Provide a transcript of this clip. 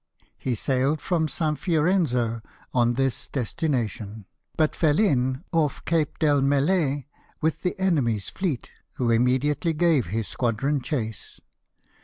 He sailed from St. Fiorenzo on this destination ; but fell in, off Cape del Mele, with the enemy's fleet, who immediately gave his squadron chase.